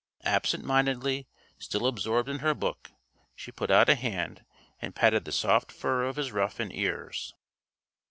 Absent mindedly, still absorbed in her book, she put out a hand and patted the soft fur of his ruff and ears.